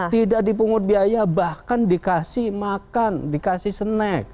tidak dipungut biaya bahkan dikasih makan dikasih snack